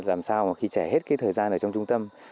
làm sao mà khi trẻ hết cái thời gian ở trong trung tâm